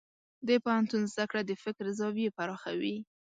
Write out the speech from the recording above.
د پوهنتون زده کړه د فکر زاویې پراخوي.